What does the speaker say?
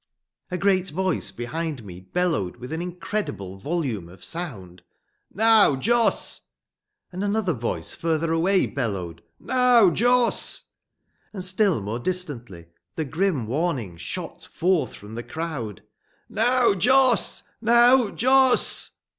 A great voice behind me bellowed with an incredible volume of sound: "Now, Jos!" And another voice, further away, bellowed: "Now, Jos!" And still more distantly the grim warning shot forth from the crowd: "Now, Jos! Now, Jos!"